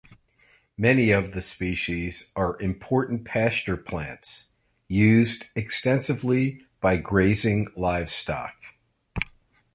Many of the species are important pasture plants, used extensively by grazing livestock.